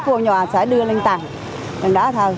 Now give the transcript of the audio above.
vô nhà sẽ đưa lên tầng